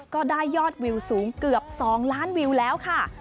ก็ได้ยอดวิวสูงเกือบ๒ล้านวิวแล้วค่ะ